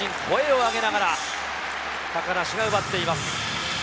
声を上げながら高梨が奪っています。